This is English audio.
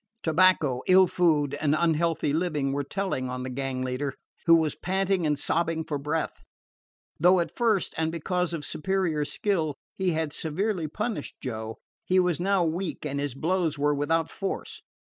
Tobacco, ill food, and unhealthy living were telling on the gang leader, who was panting and sobbing for breath. Though at first (and because of superior skill) he had severely punished Joe, he was now weak and his blows were without force.